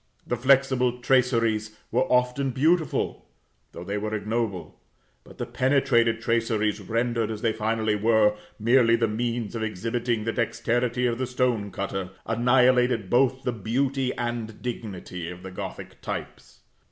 The flexible traceries were often beautiful, though they were ignoble; but the penetrated traceries, rendered, as they finally were, merely the means of exhibiting the dexterity of the stone cutter, annihilated both the beauty and dignity of the Gothic types.